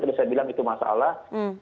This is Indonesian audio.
tadi saya bilang itu masalah